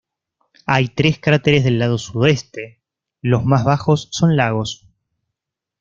Hay tres cráteres del lado sudoeste; los más bajos son lagos.